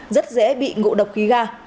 rất dễ bị ngộ độc khí ga